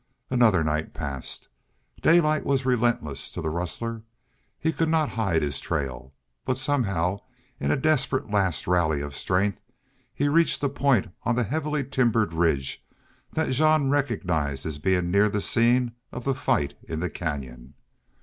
Another night passed. Daylight was relentless to the rustler. He could not hide his trail. But somehow in a desperate last rally of strength he reached a point on the heavily timbered ridge that Jean recognized as being near the scene of the fight in the canyon.